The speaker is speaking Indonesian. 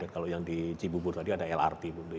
kalau yang di cibubur tadi ada lrt